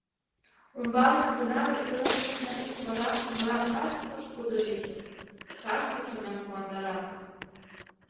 Умбалне тынаре илен коштмем деч вара мылам кажне пошкудо лишыл, кажне чонем куандара.